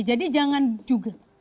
jadi jangan juga